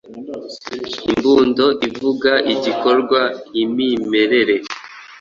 Imbundo ivuga igikorwa, imimerere